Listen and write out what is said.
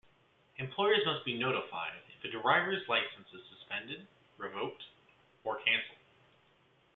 Employers must be notified if a driver's license is suspended, revoked, or canceled.